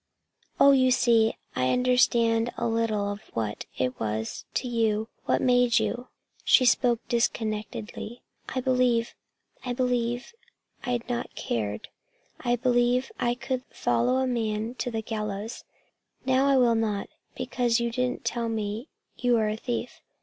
Oh, you see, I understand a little of what it was to you what made you " She spoke disconnectedly. "I believe I believe I'd not have cared. I believe I could follow a man to the gallows. Now I will not, because you didn't tell me you were a thief.